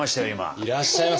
いらっしゃいませ。